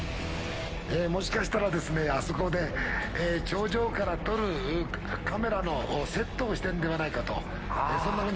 もしかしたらですね、あそこで、頂上から撮るカメラのセットをしているんではないかと、そんなふ